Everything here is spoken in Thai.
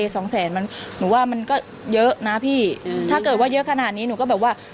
สองแสนมันหนูว่ามันก็เยอะนะพี่อืมถ้าเกิดว่าเยอะขนาดนี้หนูก็แบบว่า